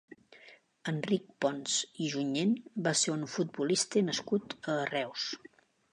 Enric Ponz i Junyent va ser un futbolista nascut a Reus.